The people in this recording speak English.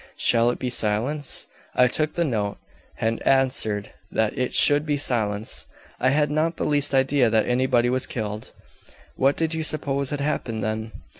Shall it be silence?' I took the note and answered that it should be silence. I had not the least idea that anybody was killed." "What did you suppose had happened, then?"